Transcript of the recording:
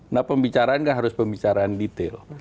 nah pembicaraan kan harus pembicaraan detail